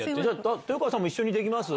豊川さんも一緒にできます？